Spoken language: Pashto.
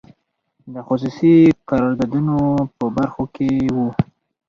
د خصوصي قراردادونو په برخو کې وو.